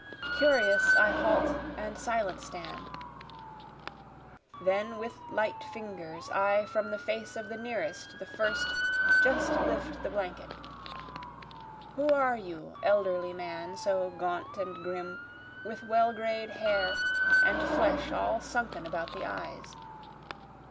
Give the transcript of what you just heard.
Curious I halt and silent stand, Then with light fingers I from the face of the nearest the first just lift the blanket; Who are you elderly man so gaunt and grim, with well gray'd hair, and flesh all sunken about the eyes?